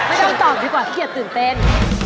ไม่ต้องตอบดีกว่าเกรดตื่นเต้น